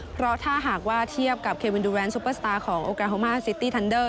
เพราะถ้าหากว่าเทียบกับเควินดูแรนดซุปเปอร์สตาร์ของโอกาโฮมาซิตี้ทันเดอร์